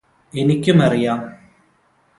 എനിക്കുമറിയാം